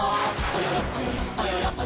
ありがとう！